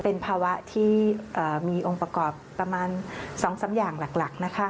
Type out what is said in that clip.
เป็นภาวะที่มีองค์ประกอบประมาณ๒๓อย่างหลักนะคะ